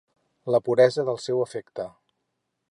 La puresa del seu afecte.